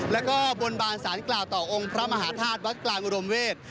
แล้วก็บนบานสารกล่าวต่อองค์พระมหาธาตุวัดกลางอุดมเวศ